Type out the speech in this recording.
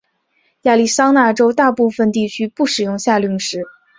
亚利桑那州大部分地区不使用夏令时。